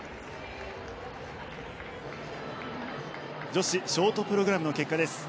女子ショートプログラムの結果です。